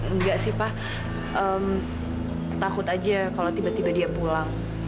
enggak sih pak takut aja kalau tiba tiba dia pulang